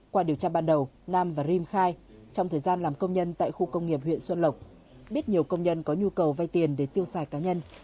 qua điều tra ban đầu nam và rim khai trong thời gian làm công nhân tại khu công nghiệp huyện xuân lộc biết nhiều công nhân có nhu cầu vay tiền để tiêu xài cá nhân